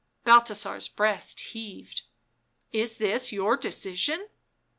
Balthasar's breast heaved. " Is this your decision?"